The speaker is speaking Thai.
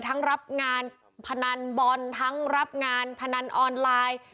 เนี่ยทั้งรับงานพนันบรทั้งรับงานพนันออนไลน์